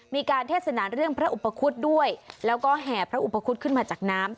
เทศนาเรื่องพระอุปคุฎด้วยแล้วก็แห่พระอุปคุฎขึ้นมาจากน้ำ